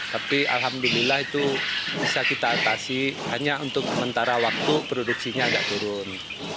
tapi alhamdulillah itu bisa kita atasi hanya untuk sementara waktu produksinya agak turun